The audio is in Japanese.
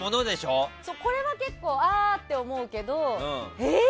これは結構あーって思うけどえー！